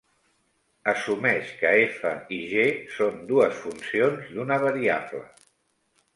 Assumeix que "f" i "g" són dues funcions d'una variable.